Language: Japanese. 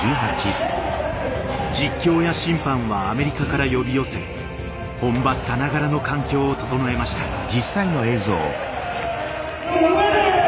実況や審判はアメリカから呼び寄せ本場さながらの環境を整えました。